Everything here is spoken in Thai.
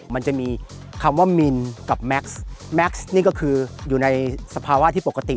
มันจะมีคำว่ามินกับแม็กซ์แม็กซ์นี่ก็คืออยู่ในสภาวะที่ปกติ